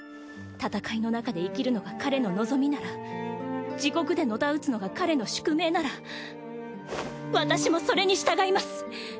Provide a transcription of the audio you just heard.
戦いの中で生きるのが彼の望みなら地獄でのたうつのが彼の宿命なら私もそれに従います！